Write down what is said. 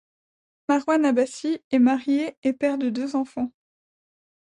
Marouane Abassi est marié et père de deux enfants.